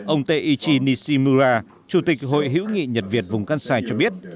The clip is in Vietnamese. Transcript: ông teichi nishimura chủ tịch hội hiểu nghị nhật việt vùng cang sai cho biết